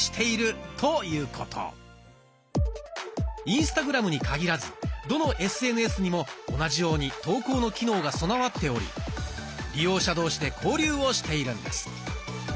インスタグラムに限らずどのＳＮＳにも同じように投稿の機能が備わっており利用者同士で交流をしているんです。